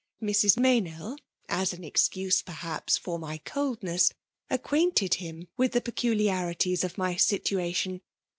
Mrs. Meynell, as an excuse perhaps for my coldness^ acquainted him with the pccur liarities of my situation.